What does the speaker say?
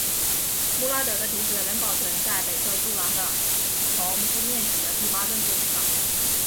穆拉德的题词仍保存在北侧柱廊的从东面起的第八根柱子上。